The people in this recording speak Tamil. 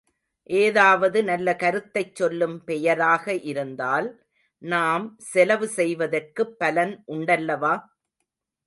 ஏதாவது நல்ல கருத்தைச் சொல்லும் பெயராக இருந்தால் நாம் செலவு செய்வதற்குப் பலன் உண்டல்லவா?